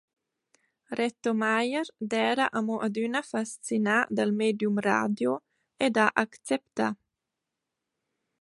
Reto Mayer d’eira amo adüna fascinà dal medium radio ed ha acceptà.